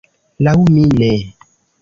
Laŭ mi ne.